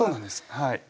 はい